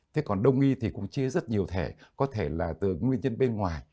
thế còn đông y thì cũng chia rất nhiều thẻ có thể là từ nguyên nhân bên ngoài